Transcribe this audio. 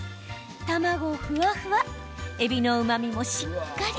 卵ふわふわえびのうまみもしっかり。